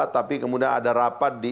tapi kemudian ada rapat di